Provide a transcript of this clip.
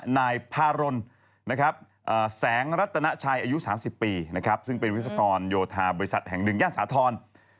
นายพารนแสงรัตนาชัยอายุ๓๐ปีนะครับซึ่งเป็นวิศกรโยธาบริษัทแห่งหนึ่งย่านสาธรณ์